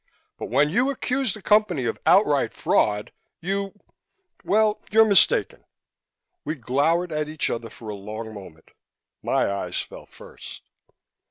But when you accuse the Company of outright fraud, you well, you're mistaken." We glowered at each other for a long moment. My eyes fell first.